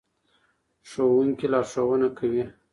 ښوونکي لارښوونه کوي.